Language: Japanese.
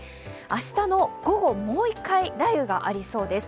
明日の午後、もう１回雷雨がありそうです。